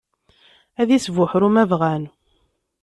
Ad isbuḥru ma bɣan.